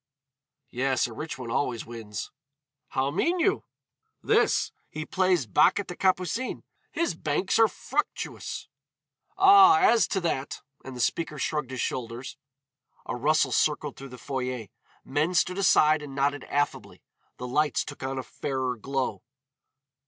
"Yes, a rich one always wins." "How mean you?" "This: he plays bac at the Capucines. His banks are fructuous." "Ah, as to that " And the first speaker shrugged his shoulders. A rustle circled through the foyer, men stood aside and nodded affably. The lights took on a fairer glow.